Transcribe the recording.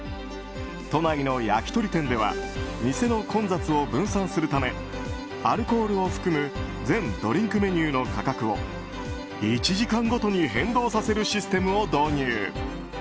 都内の焼き鳥店では店の混雑を分散するためアルコールを含む全ドリンクメニューの価格を１時間ごとに変動させるシステムを導入。